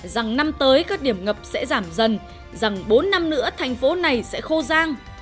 rằng năm tới các điểm ngập sẽ giảm dần rằng bốn năm nữa thành phố này sẽ khô giang